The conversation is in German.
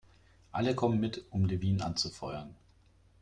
Alle kommen mit, um Levin anzufeuern.